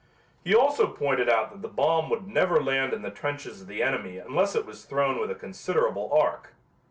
He also pointed out that the bomb would never land in the trenches of the enemy unless it was thrown with a considerable arc.